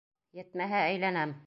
Етмәһә, әйләнәм!